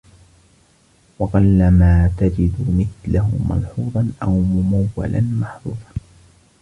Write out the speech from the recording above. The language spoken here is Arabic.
وَقَلَّمَا تَجِدُ مِثْلَهُ مَلْحُوظًا أَوْ مُمَوَّلًا مَحْظُوظًا